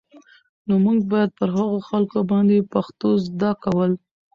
نو موږ بايد پر هغو خلکو باندې پښتو زده کول